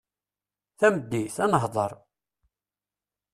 Tameddit, ad nehder.